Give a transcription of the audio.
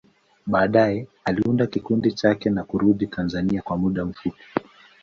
Baadaye, aliunda kikundi chake na kurudi Tanzania kwa muda mfupi.